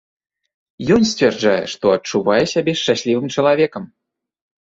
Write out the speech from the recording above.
Ён сцвярджае, што адчувае сябе шчаслівым чалавекам.